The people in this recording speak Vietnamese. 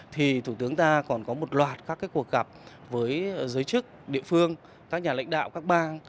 thì thủ tướng ta còn có một loạt các cuộc gặp với giới chức địa phương các nhà lãnh đạo các bang